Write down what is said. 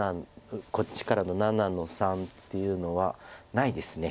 こっちからの７の三っていうのはないですね。